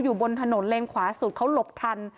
อยู่บนถนนเลนขวาสุดเขาหลบทัน